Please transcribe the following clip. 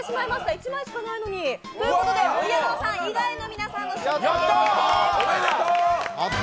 １枚しかないのに！ということで盛山さん以外の試食ということになりました。